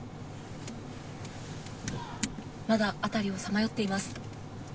まだ辺りをさまよっています。